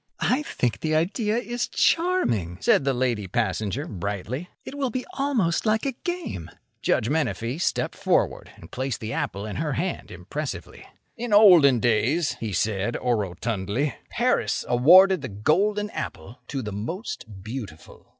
"I think the idea is charming," said the lady passenger, brightly. "It will be almost like a game." Judge Menefee stepped forward and placed the apple in her hand impressively. "In olden days," he said, orotundly, "Paris awarded the golden apple to the most beautiful."